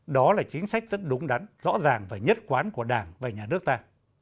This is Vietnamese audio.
đó là chính sách rất đúng đắn rõ ràng và nhất quán của đảng và nhà nước ta